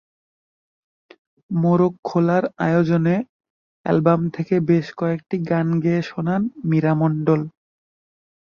মোড়ক খোলার আয়োজনে অ্যালবাম থেকে বেশ কয়েকটি গান গেয়ে শোনান মীরা মণ্ডল।